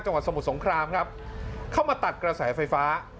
สมุทรสงครามครับเข้ามาตัดกระแสไฟฟ้า